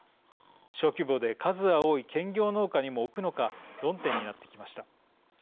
小規模で数は多い兼業農家にも置くのか論点になってきました。